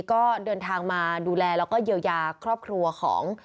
ก็เดินทางมาดูแลแล้วก็เยียวยาครอบครัวของ